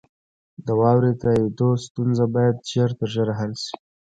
د واورئ تائیدو ستونزه باید ژر تر ژره حل شي.